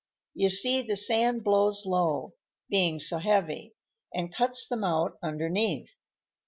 "You see the sand blows low, being so heavy, and cuts them out underneath.